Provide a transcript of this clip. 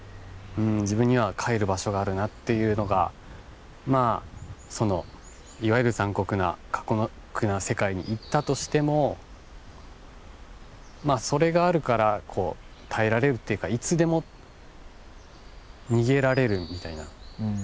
自分には帰る場所があるなっていうのがそのいわゆる残酷な過酷な世界に行ったとしてもそれがあるから耐えられるっていうかいつでも逃げられるみたいな。